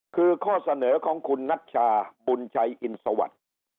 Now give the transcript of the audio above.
คือข้อเสนอของคุณนัชชาบุญชัยอินสวัสดิ์